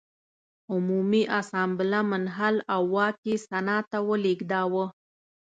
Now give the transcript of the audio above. عمومي اسامبله منحل او واک یې سنا ته ولېږداوه.